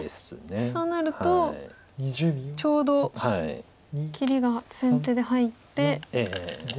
そうなるとちょうど切りが先手で入って。